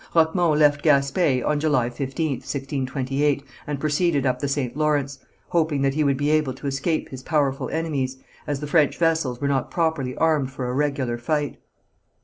Roquemont left Gaspé on July 15th, 1628, and proceeded up the St. Lawrence, hoping that he would be able to escape his powerful enemies, as the French vessels were not properly armed for a regular fight.